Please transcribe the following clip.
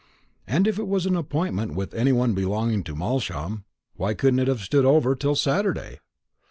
And if it was an appointment with any one belonging to Malsham, why couldn't it have stood over till Saturday?